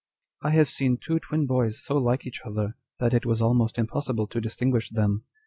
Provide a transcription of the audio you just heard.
" I have seen two twin boys so like each other, that it was almost impossible to distinguish them.